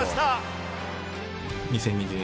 ２０２２年